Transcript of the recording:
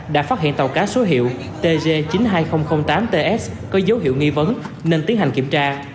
đã phát hiện tàu cá số hiệu tg chín mươi hai nghìn tám ts có dấu hiệu nghi vấn nên tiến hành kiểm tra